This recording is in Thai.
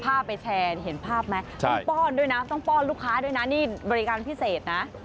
ไปแชร์เห็นภาพไหมต้องป้อนด้วยนะต้องป้อนลูกค้าด้วยนะนี่บริการพิเศษนะ